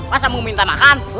masa mau minta makan